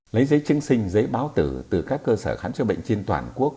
lấy giấy chứng sinh giấy báo tử từ các cơ sở khám chữa bệnh trên toàn quốc